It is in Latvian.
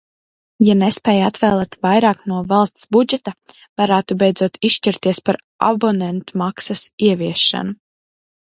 Ja nespēj atvēlēt vairāk no valsts budžeta, varētu beidzot izšķirties par abonentmaksas ieviešanu.